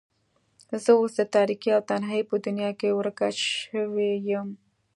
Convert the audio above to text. زه اوس د تاريکۍ او تنهايۍ په دنيا کې ورکه شوې يم.